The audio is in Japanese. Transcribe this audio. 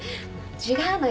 違うのよ。